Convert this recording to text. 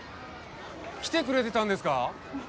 来てくれてたんですか？